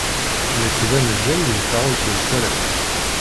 Nekk d amejjay di taɣult n tarrawt.